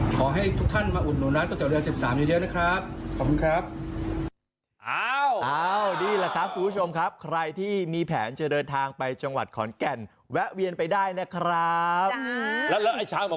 ขอให้ทุกท่านมาอุดหน่วนร้านก็จะเดือน๑๓อย่างเดียวนะครับ